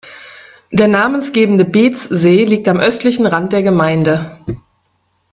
Der namensgebende Beetzsee liegt am östlichen Rand der Gemeinde.